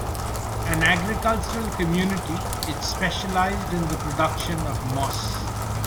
An agricultural community, it specialised in the production of moss.